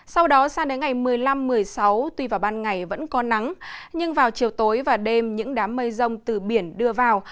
sau đó sang đến ngày một mươi năm một mươi sáu tuy vào ban ngày vẫn có nắng nhưng vào chiều tối và đêm những đám mây rông từ biển đưa vào